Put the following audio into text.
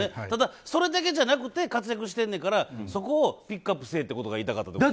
ただ、それだけじゃなくて活躍してんねんからそこをピックアップせえって言いたかったと。